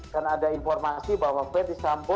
karena ada informasi bahwa verdi sambo